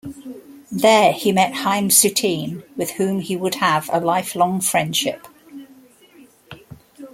There he met Chaim Soutine, with whom he would have a lifelong friendship.